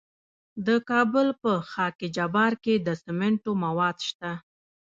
د کابل په خاک جبار کې د سمنټو مواد شته.